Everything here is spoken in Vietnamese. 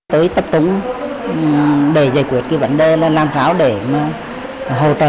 tới tập trung để giải quyết cái vấn đề là làm pháo để hồ trời